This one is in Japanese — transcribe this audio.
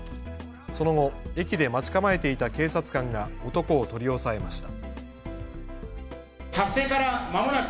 その後、駅で待ち構えていた警察官が男を取り押さえました。